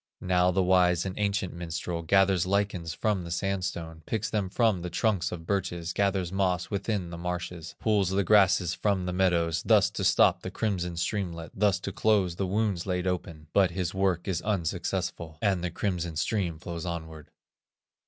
Now the wise and ancient minstrel Gathers lichens from the sandstone, Picks them from the trunks of birches, Gathers moss within the marshes, Pulls the grasses from the meadows, Thus to stop the crimson streamlet, Thus to close the wounds laid open; But his work is unsuccessful, And the crimson stream flows onward.